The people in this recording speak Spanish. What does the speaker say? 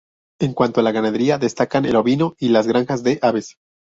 En cuanto a la ganadería destacan el ovino y las granjas de aves.